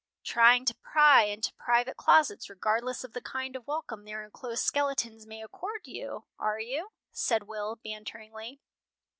"Trying to pry into private closets, regardless of the kind of welcome their enclosed skeletons may accord you, are you?" said Will, banteringly.